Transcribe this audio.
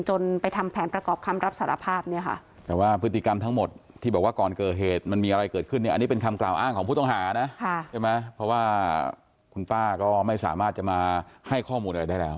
ใช่ไหมเพราะว่าคุณป้าก็ไม่สามารถจะมาให้ข้อมูลอะไรได้แล้ว